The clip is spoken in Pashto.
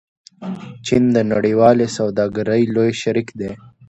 چین د نړیوالې سوداګرۍ لوی شریک دی.